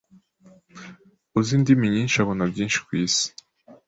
Uzi indimi nyinshi abona byinshi ku isi.